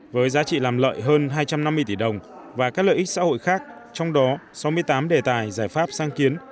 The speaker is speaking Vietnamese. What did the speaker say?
với giá trị làm lợi hơn hai trăm năm mươi tỷ đồng và các lợi ích xã hội khác trong đó sáu mươi tám đề tài giải pháp sáng kiến